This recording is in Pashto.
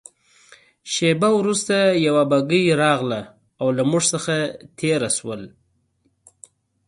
شېبه وروسته یوه بګۍ راغلل او له موږ څخه تېره شول.